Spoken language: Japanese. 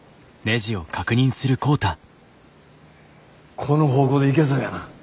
この方向でいけそうやな。